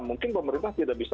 mungkin pemerintah tidak bisa